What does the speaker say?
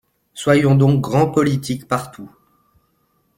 Soyons donc grands politiques partout.